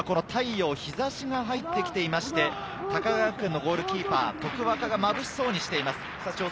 太陽の日ざしが入ってきていまして、高川学園のゴールキーパー・徳若がまぶしそうにしています。